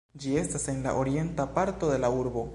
Ĝi estas en la orienta parto de la urbo.